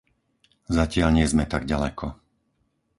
Zatiaľ nie sme tak ďaleko.